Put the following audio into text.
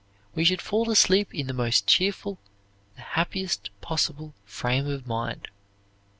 We should fall asleep in the most cheerful, the happiest possible frame of mind.